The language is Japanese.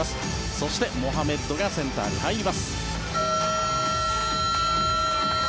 そして、モハメッドがセンターに入ります。